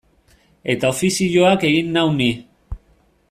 Eta ofizioak egin nau ni.